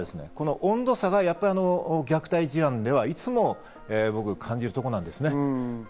温度差が虐待事案ではいつも僕、感じるところなんですね。